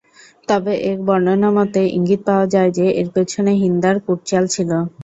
তবে এক বর্ণনামতে ইঙ্গিত পাওয়া যায় যে, এর পেছনে হিন্দার কুটচাল ছিল।